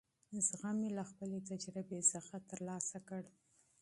زغم مې له خپلې تجربې څخه ترلاسه کړ.